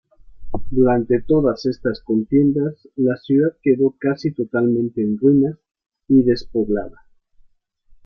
Durante todas estas contiendas, la ciudad quedó casi totalmente en ruinas y despoblada.